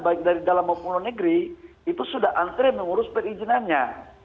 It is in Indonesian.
baik dari dalam maupun luar negeri itu sudah antre mengurus perizinannya